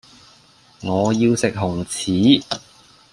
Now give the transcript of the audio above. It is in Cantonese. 我要食紅柿